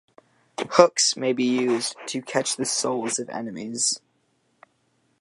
Hooks may be used to catch the souls of enemies.